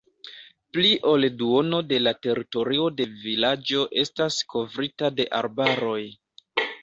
Pli ol duono de la teritorio de vilaĝo estas kovrita de arbaroj.